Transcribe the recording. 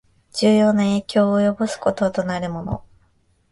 重要な影響を及ぼすこととなるもの